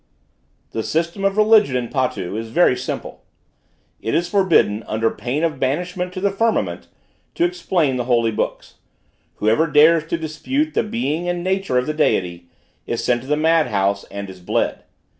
The system of religion in Potu is very simple. It is forbidden, under pain of banishment to the firmament, to explain the holy books; whoever dares to dispute the being and nature of the Deity, is sent to the mad house and is bled.